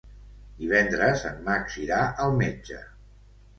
Divendres en Max irà al metge.